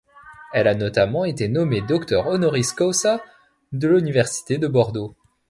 Elle a notamment été nommée docteur honoris causa de l'Université de Bordeaux.